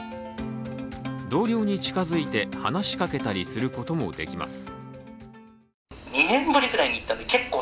同僚に近づいて話しかけたりすることもできます。